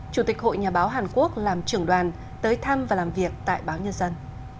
chủ tịch hội nhà báo hàn quốc làm trưởng đoàn tới thăm và làm việc tại báo nhân dân